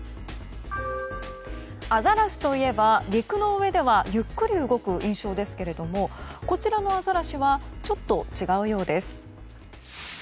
アザラシといえば陸の上でゆっくり動く印象ですけれどもこちらのアザラシはちょっと違うようです。